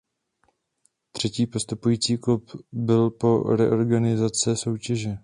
Třetí postupující klub byl po reorganizace soutěže.